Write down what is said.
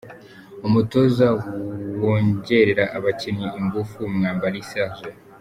Umutoza wongerera abakinnyi ingufu: Mwambari Serge.